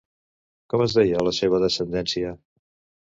Com es deia la seva descendència?